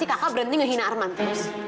bisa gak sih kakak berhenti ngehina arman terus